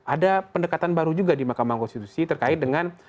ada pendekatan baru juga di mahkamah konstitusi terkait dengan